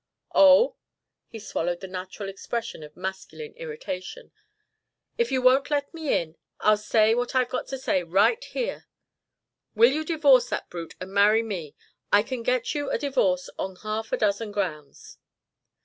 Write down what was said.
"Oh!" He swallowed the natural expression of masculine irritation. "If you won't let me in I'll say what I've got to say right here. Will you divorce that brute and marry me? I can get you a divorce on half a dozen grounds."